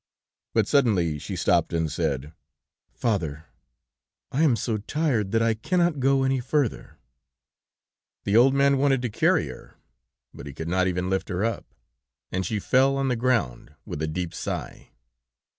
But suddenly she stopped, and said: "'Father, I am so tired that I cannot go any further ther,' "The old man wanted to carry her, but he could not even lift her up, and she fell on the ground, with a deep sigh.